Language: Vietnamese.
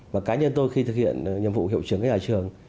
và cá nhân tôi khi thực hiện nhiệm vụ hiệu trưởng với nhà trường